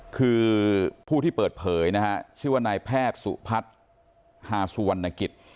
คือผู้ที่เปิดเผยนะฮะชื่อว่านายแพทย์สุพัฒน์ฮาสุวรรณกิจ